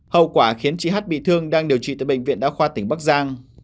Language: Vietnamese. hậu quả khiến chị h bị thương đang điều trị tại bệnh viện đa khoa tỉnh bắc giang